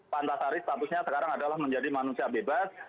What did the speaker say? pak antasari statusnya sekarang adalah menjadi manusia bebas